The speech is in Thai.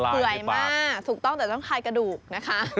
ใช่มันเกลื่อยมากถูกต้องแต่ต้องขายกระดูกนะคะ